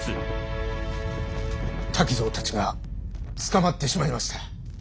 滝蔵たちが捕まってしまいました。